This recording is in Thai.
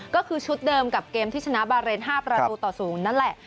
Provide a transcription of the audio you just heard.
ก็คือชุดเดิมกับเกมที่ชนะบาเรน๕ประตูต่อ๐นั่นแหละ